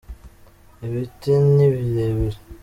ibiti nibirebire.